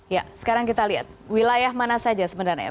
ya sekarang kita lihat wilayah mana saja sebenarnya ya